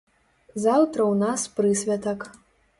Заўтра ў нас прысвятак.